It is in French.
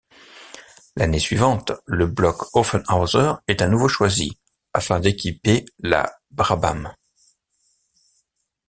L'année suivante, le bloc Offenhauser est à nouveau choisi afin d'équiper la Brabham.